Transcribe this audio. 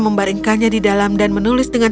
membaringkannya di dalam dan menulis dengan